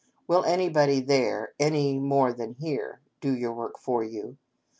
Will anybody there, any more than here, do your work for you